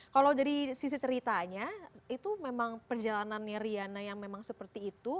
kalau dari sisi ceritanya itu memang perjalanannya riana yang memang seperti itu